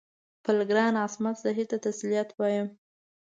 خپل ګران عصمت زهیر ته تسلیت وایم.